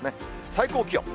最高気温。